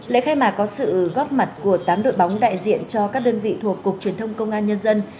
lễ khai mạc có sự góp mặt của tám đội bóng đại diện cho các đơn vị thuộc cục truyền thông công an nhân dân